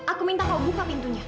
aku minta kau buka pintunya